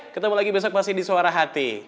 ketemu lagi besok masih di suara hati